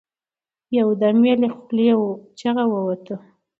يو دم يې له خولې چيغه ووته.